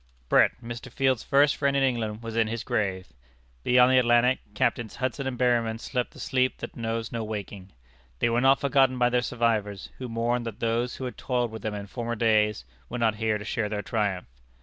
Brett, Mr. Field's first friend in England, was in his grave. Beyond the Atlantic, Captains Hudson and Berryman slept the sleep that knows no waking. They were not forgotten by their survivors, who mourned that those who had toiled with them in former days, were not here to share their triumph.